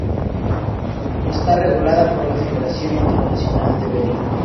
Está regulada por la Federación Internacional de Vela.